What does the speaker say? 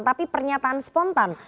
tapi pernyataan spontan